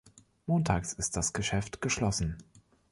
Montags ist das Geschäft geschlossen.